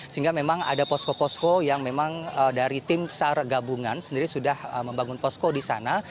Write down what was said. sehingga memang ada posko posko yang memang dari tim sar gabungan sendiri sudah membangun posko di sana